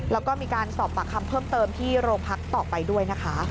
แล้วก็มีการสอบปากคำเพิ่มเติมที่โรงพักต่อไปด้วยนะคะ